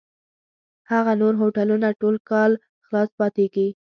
هغه نور هوټلونه ټول کال خلاص پاتېږي.